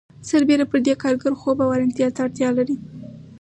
سربېره پر دې کارګر خوب او آرامتیا ته اړتیا لري